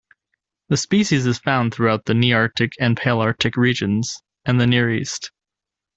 The species is found throughout the Nearctic and Palearctic regions and the Near East.